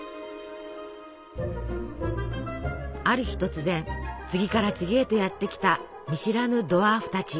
ある日突然次から次へとやって来た見知らぬドワーフたち。